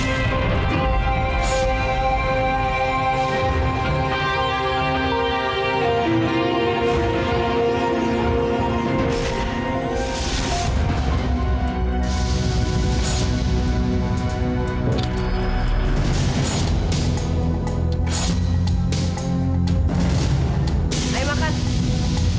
harus mengakhiri semua ini